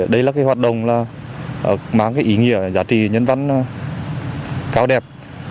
đây là cái hoạt động là mang cái ý nghĩa giá trị nhân văn cao đẹp